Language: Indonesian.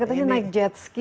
katanya naik jet ski